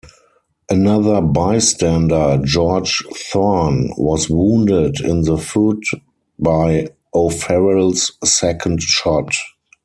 Another bystander, George Thorne, was wounded in the foot by O'Farrell's second shot.